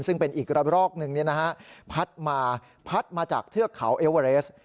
ซึ่งเป็นอีกระรอกหนึ่งพัดมาพัดมาจากเทือกเขาเอเวอเรส